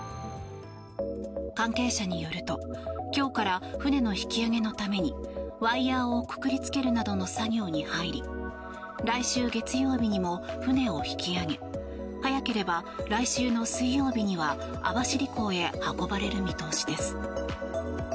関係者によると今日から船の引き揚げのためにワイヤをくくりつけるなどの作業に入り来週月曜日にも船を引き揚げ早ければ来週の水曜日には網走港へ運ばれる見通しです。